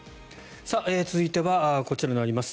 続いてはこちらになります。